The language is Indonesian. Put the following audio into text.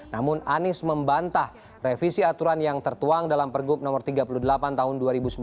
namun anies membantah revisi aturan yang tertuang dalam pergub no tiga puluh delapan tahun dua ribu sembilan belas